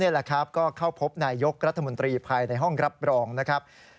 แหละครับก็เข้าพบนายยกรัฐมนตรีภายในห้องรับรองนะครับ